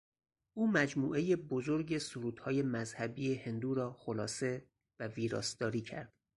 او مجموعهی بزرگسرودهای مذهبی هندو را خلاصه و ویراستاری کرد.